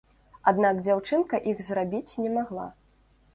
Аднак дзяўчынка іх зрабіць не магла.